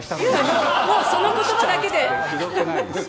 もうその言葉だけで。